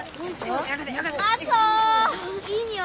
いい匂い！